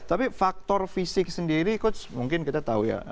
tapi faktor fisik sendiri coach mungkin kita tahu ya